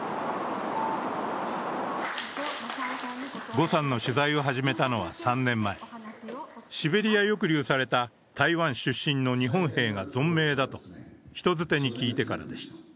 呉さんの取材を始めたのは３年前シベリア抑留された台湾出身の日本兵が存命だと人づてに聞いてからでした。